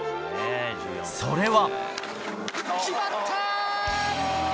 それは。